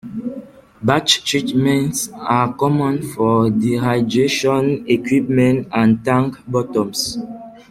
Batch treatments are common for dehydration equipment and tank bottoms.